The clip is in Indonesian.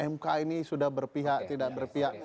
mk ini sudah berpihak tidak berpihak